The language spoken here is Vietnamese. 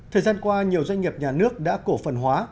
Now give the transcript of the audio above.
thời gian qua nhiều doanh nghiệp nhà nước đã cổ phần hóa